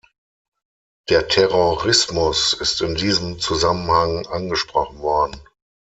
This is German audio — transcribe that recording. Der Terrorismus ist in diesem Zusammenhang angesprochen worden.